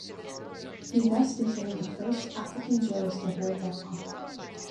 He thus became the first African jurist to hold that honour.